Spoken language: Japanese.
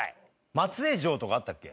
松江城とかあったっけ？